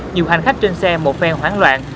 nhiều hành khách trên xe một phe hoảng loạn